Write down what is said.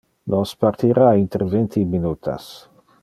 Nos partira inter vinti minutas.